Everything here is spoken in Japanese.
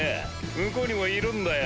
向こうにもいるんだよ